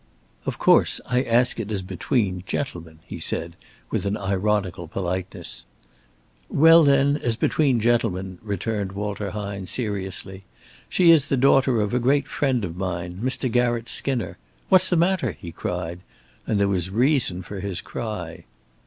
"Of course I ask it as between gentlemen," he said, with an ironical politeness. "Well, then, as between gentlemen," returned Walter Hine, seriously. "She is the daughter of a great friend of mine, Mr. Garratt Skinner. What's the matter?" he cried; and there was reason for his cry.